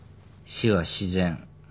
「死は自然」